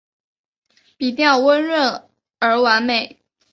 笔调温润而完美